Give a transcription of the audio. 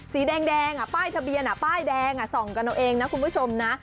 สีแดงป้ายทะเบียนป้ายแดงส่องกันเอาเองนะคุณผู้ชมนะ